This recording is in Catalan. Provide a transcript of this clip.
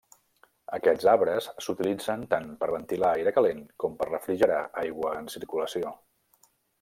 Aquests arbres s'utilitzen tant per ventilar aire calent com per refrigerar aigua en circulació.